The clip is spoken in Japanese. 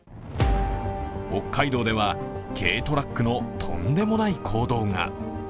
北海道では軽トラックのとんでもない行動が。